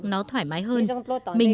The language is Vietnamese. nó thoải mái hơn